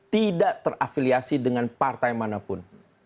tidak terafiliasi dengan partai manapun